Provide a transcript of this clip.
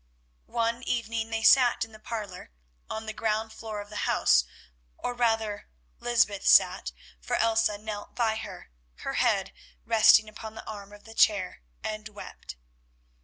One evening they sat in the parlour on the ground floor of the house, or rather Lysbeth sat, for Elsa knelt by her, her head resting upon the arm of the chair, and wept.